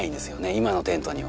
今のテントには。